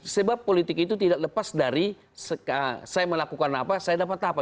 sebab politik itu tidak lepas dari saya melakukan apa saya dapat apa